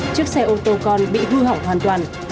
chiếc xe ô tô con bị hư hỏng hoàn toàn